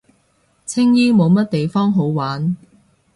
青衣冇乜地方好玩